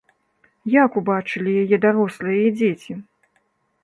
Як убачылі яе дарослыя і дзеці?